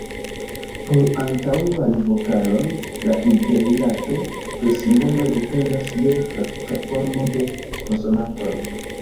Por antaŭaj vokaloj la interrilato de simboloj dependas je grafika formo de konsonantoj.